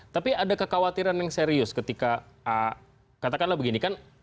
tapi ada kekhawatiran yang serius ketika katakanlah begini kan